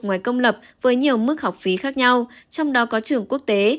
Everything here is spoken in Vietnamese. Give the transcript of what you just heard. ngoài công lập với nhiều mức học phí khác nhau trong đó có trường quốc tế